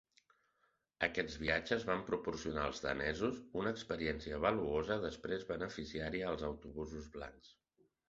Aquests viatges van proporcionar als danesos una experiència valuosa que després beneficiaria els "Autobusos Blancs".